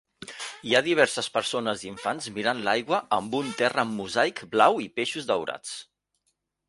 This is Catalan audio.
Hi ha diverses persones i infants mirant l'aigua amb un terra amb mosaic blau i peixos daurats.